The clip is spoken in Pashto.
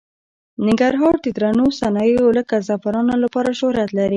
ننګرهار د درنو صنایعو لکه زعفرانو لپاره شهرت لري.